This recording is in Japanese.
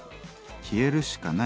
消えるしかない。